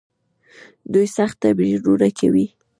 دوی سخت تمرینونه کوي.